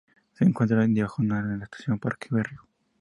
Se encuentra diagonal a la Estación Parque Berrío.